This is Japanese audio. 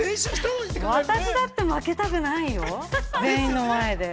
私だって負けたくないよ、全員の前で。